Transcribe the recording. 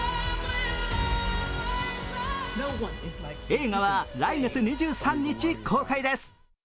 映画は来月２３日公開です。